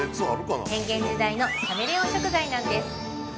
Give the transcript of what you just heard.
変幻自在のカメレオン食材なんです。